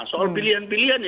soal pilihan pilihan itu